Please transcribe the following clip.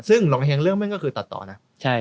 ซึ่งหลงเฮงเรื่องแม่งก็คือตัดต่อนะ